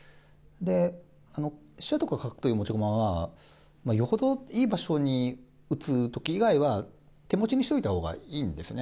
で、飛車とか角とかの持ち駒は、よほどいい場所に打つとき以外は、手持ちにしておいたほうがいいんですね。